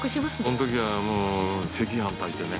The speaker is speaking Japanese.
◆そのときは、もう赤飯炊いてね。